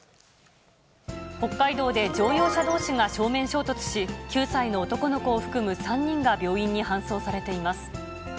北海道で乗用車どうしが正面衝突し、９歳の男の子を含む３人が病院に搬送されています。